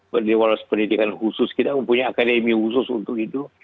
berdewas pendidikan khusus kita mempunyai akademi khusus untuk itu